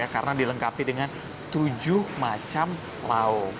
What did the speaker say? karena dilengkapi dengan tujuh macam lauk